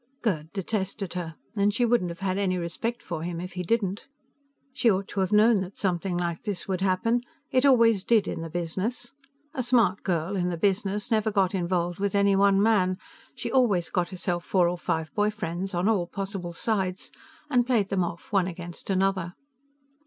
Gerd detested her, and she wouldn't have had any respect for him if he didn't. She ought to have known that something like this would happen. It always did, in the business. A smart girl, in the business, never got involved with any one man; she always got herself four or five boyfriends, on all possible sides, and played them off one against another.